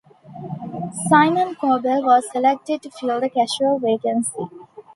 Simon Corbell was elected to fill the casual vacancy.